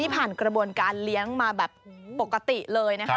ผ่านกระบวนการเลี้ยงมาแบบปกติเลยนะคะ